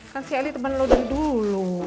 kan si eli temen lo dari dulu